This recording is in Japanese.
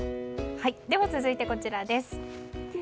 続いて、こちらです。